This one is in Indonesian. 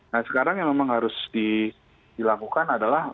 nah sekarang yang memang harus dilakukan adalah